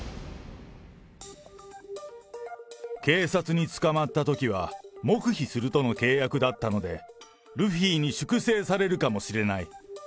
警察に捕まったときは、黙秘するとの契約だったので、ルフィに粛清されるかもしれない。